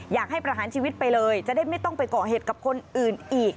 อยากให้ประหารชีวิตไปเลยจะได้ไม่ต้องไปก่อเหตุกับคนอื่นอีก